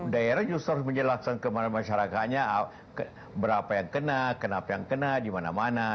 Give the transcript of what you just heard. daerah justru harus menjelaskan kepada masyarakatnya berapa yang kena kenapa yang kena di mana mana